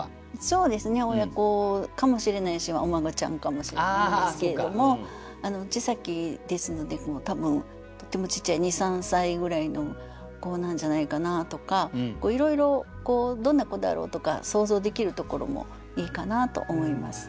そうですね親子かもしれないしお孫ちゃんかもしれないですけれども「小さき」ですので多分とてもちっちゃい２３歳ぐらいの子なんじゃないかなとかいろいろどんな子だろうとか想像できるところもいいかなと思います。